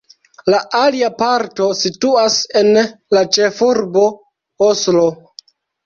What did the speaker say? La alia parto situas en la ĉefurbo Oslo.